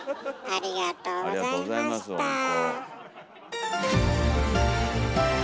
ありがとうございますほんと。